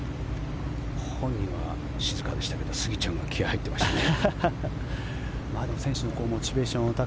本人は静かでしたけど杉ちゃんが気合入ってましたね。